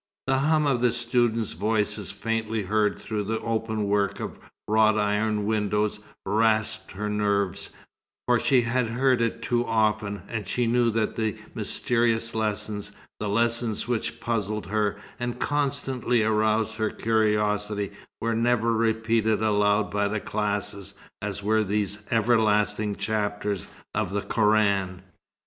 The hum of the students' voices, faintly heard through the open work of wrought iron windows, rasped her nerves, for she had heard it too often; and she knew that the mysterious lessons, the lessons which puzzled her, and constantly aroused her curiosity, were never repeated aloud by the classes, as were these everlasting chapters of the Koran.